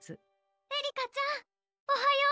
えりかちゃんおはよう！